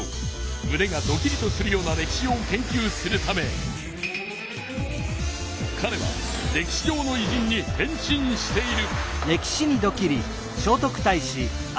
むねがドキリとするような歴史を研究するためかれは歴史上のいじんに変身している。